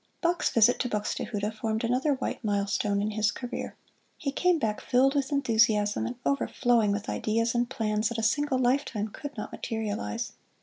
Bach's visit to Buxtehude formed another white milestone in his career. He came back filled with enthusiasm and overflowing with ideas and plans that a single lifetime could not materialize.